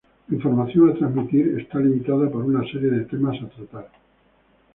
La información a transmitir está limita por una serie de temas a tratar.